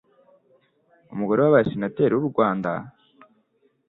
umugore wabaye senateri w'u Rwanda,